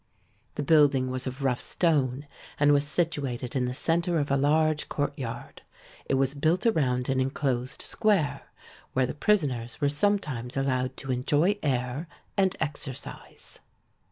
The building was of rough stone and was situated in the center of a large court yard. It was built around an enclosed square, where the prisoners were sometimes allowed to enjoy air and exercise.